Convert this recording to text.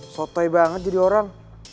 sotoy banget jadi orang